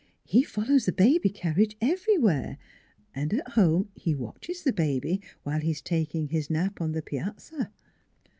" He follows the baby carriage everywhere, and at home he watches the baby, while he is taking his nap on the piazza."